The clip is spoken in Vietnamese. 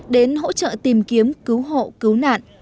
đến hỗ trợ tìm kiếm cứu hậu cứu nạn